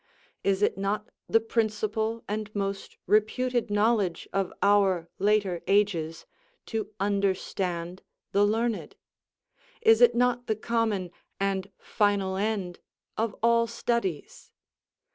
Is it not the principal and most reputed knowledge of our later ages to understand the learned? Is it not the common and final end of all studies?